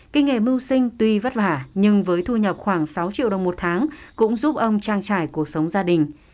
kinh nghề mưu sinh tuy vất vả nhưng với thu nhập khoảng sáu triệu đồng một tháng cũng giúp ông trang trải cuộc sống gia đình